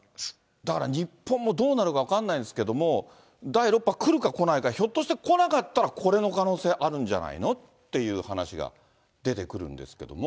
だから日本もどうなるか分からないんですけども、第６波来るか来ないか、ひょっとして来なかったら、これの可能性あるんじゃないのという話が出てくるんですけども。